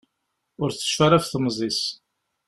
Ur tecfi ara ɣef temẓi-s.